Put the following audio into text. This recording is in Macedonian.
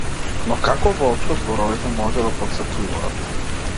Но како воопшто зборовите може да потсетуваат?